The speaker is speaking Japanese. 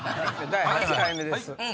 第８回目です